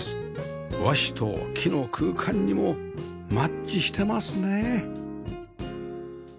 和紙と木の空間にもマッチしてますね